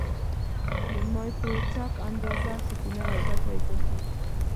د مایکروچپ اندازه کوچنۍ او ګټه یې زیاته ده.